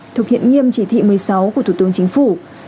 thực hiện nghiêm chỉ thị một mươi sáu của thủ tướng chính phủ